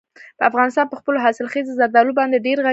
افغانستان په خپلو حاصلخیزه زردالو باندې ډېر غني دی.